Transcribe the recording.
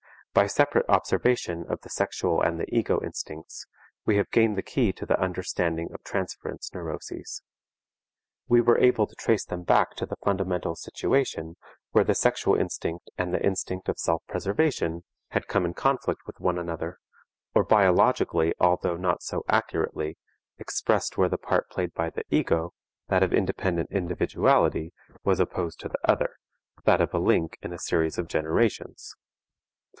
By separate observation of the sexual and the ego instincts, we have gained the key to the understanding of transference neuroses. We were able to trace them back to the fundamental situation where the sexual instinct and the instinct of self preservation had come in conflict with one another, or biologically although not so accurately, expressed where the part played by the ego, that of independent individuality, was opposed to the other, that of a link in a series of generations.